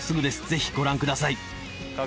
ぜひご覧ください。